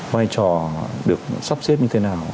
vai trò được sắp xếp như thế nào